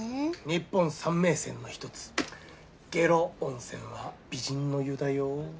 日本三名泉の一つ下呂温泉は美人の湯だよ。